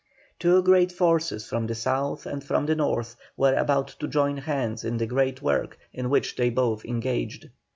Two great forces from the South and from the North were about to join hands in the great work in which they were both engaged.